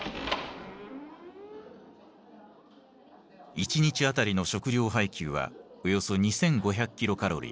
１日当たりの食糧配給はおよそ２，５００キロカロリー。